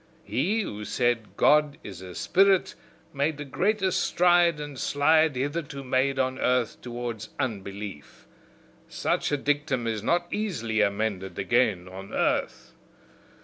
He who said 'God is a Spirit' made the greatest stride and slide hitherto made on earth towards unbelief: such a dictum is not easily amended again on earth!